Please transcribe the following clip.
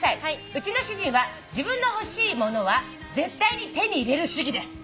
「うちの主人は自分の欲しいものは絶対に手に入れる主義です」